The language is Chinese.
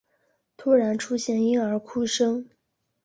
突然出现婴儿哭声